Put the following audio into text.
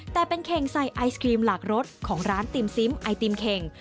แต่เป็นเข่งใส่ไอศครีมหลากรสของร้านติมซิมไอติมเข่ง